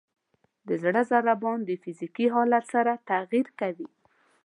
د زړه ضربان د فزیکي حالت سره تغیر کوي.